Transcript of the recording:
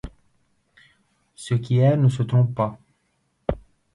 Ce qui erre ne se trompe pas